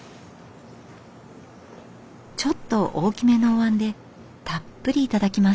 ちょっと大きめのおわんでたっぷりいただきます。